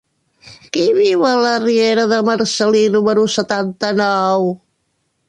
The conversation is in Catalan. Qui viu a la riera de Marcel·lí número setanta-nou?